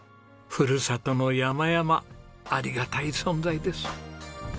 ふるさとの山々ありがたい存在です。